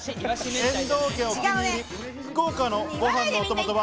遠藤家お気に入り福岡のご飯のお供とは？